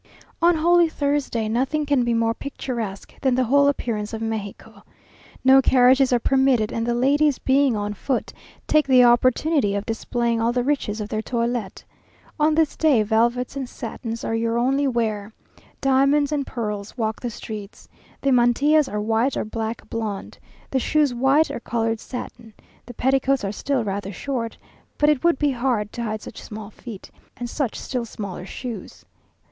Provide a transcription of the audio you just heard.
On Holy Thursday nothing can be more picturesque than the whole appearance of Mexico. No carriages are permitted and the ladies, being on foot, take the opportunity of displaying all the riches of their toilet. On this day velvets and satins are your only wear. Diamonds and pearls walk the streets. The mantillas are white or black blonde; the shoes white or coloured satin. The petticoats are still rather short, but it would be hard to hide such small feet, and such still smaller shoes.